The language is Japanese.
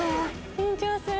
緊張する。